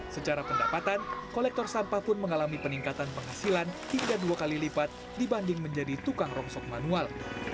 secara pendapatan kolektor sampah pun mengalami peningkatan penghasilan hingga dua kali lipat dibanding menjadi tukang rongsok manual